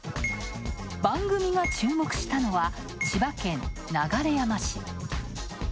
番組が注目したのは千葉県流山市。